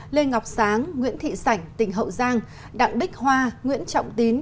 lê ngọc sáng nguyễn thị sảnh tỉnh hậu giang đặng bích hoa nguyễn trọng tín